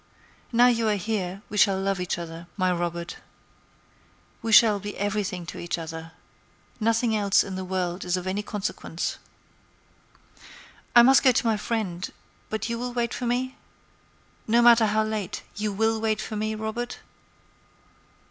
Now you are here we shall love each other, my Robert. We shall be everything to each other. Nothing else in the world is of any consequence. I must go to my friend; but you will wait for me? No matter how late; you will wait for me, Robert?"